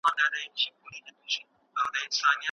آیا مسمومیت په لویانو کې تر ماشومانو ژر درملنه کیږي؟